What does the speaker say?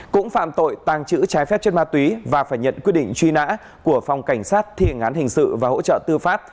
cũng phạm tội tàng trữ trái phép chất ma túy và phải nhận quyết định truy nã của phòng cảnh sát thi hành án hình sự và hỗ trợ tư pháp